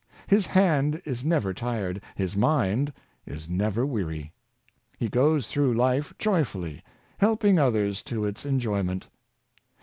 His hand is never tired, his mind is never weary. He goes through life joyfully, helping others to its enjoy ment.